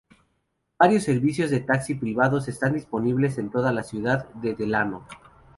Varios servicios de taxi privados están disponibles en toda la ciudad de Delano.